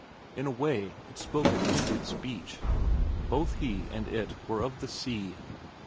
In a way, it spoke a kindred speech. Both he and it were of the sea.